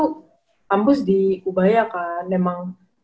kampus di kubaya kan memang